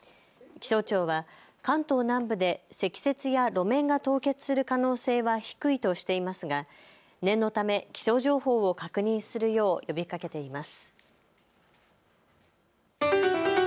気象庁は関東南部で積雪や路面が凍結する可能性は低いとしていますが、念のため気象情報を確認するよう呼びかけています。